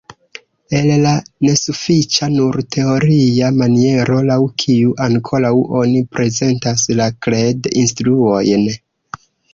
El la nesufiĉa, nur teoria maniero, laŭ kiu ankoraŭ oni prezentas la kred-instruojn!